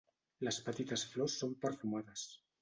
Les petites flors són perfumades.